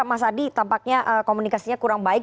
mas adi tampaknya komunikasinya kurang baik